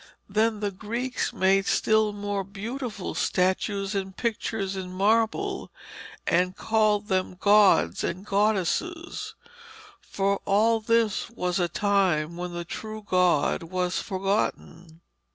Then the Greeks made still more beautiful statues and pictures in marble, and called them gods and goddesses, for all this was at a time when the true God was forgotten.